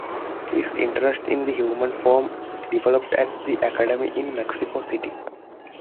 His interest in the human form developed at the Academy in Mexico City.